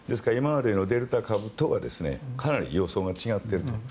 今までのデルタ株とはかなり様相が違っていると。